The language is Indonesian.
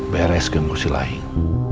beres kemu silahin